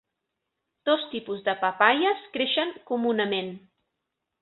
Dos tipus de papaies creixen comunament.